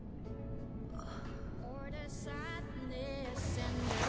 あっ。